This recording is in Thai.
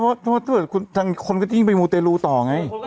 เพราะว่าคุณทั้งคนก็ติ้งไปมูเตลูต่อไง